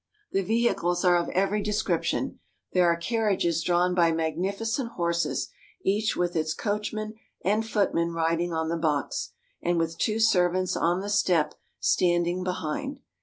The vehicles are of every description. There are car riages drawn by magnificent horses, each with its coach man and footman riding on the box and with two servants on the step, standing behind.